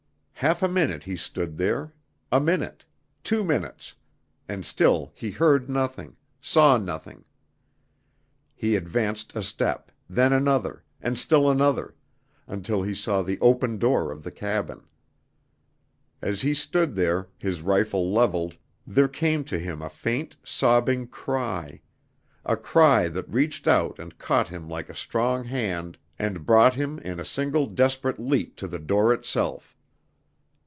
Half a minute he stood there, a minute, two minutes, and still he heard nothing, saw nothing. He advanced a step, then another, and still another, until he saw the open door of the cabin. And as he stood there, his rifle leveled, there came to him a faint, sobbing cry, a cry that reached out and caught him like a strong hand and brought him in a single desperate leap to the door itself.